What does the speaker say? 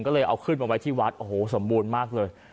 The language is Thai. ก็เลยเอาขึ้นมาไว้ที่วัดโอ้โหสมบูรณ์มากเลย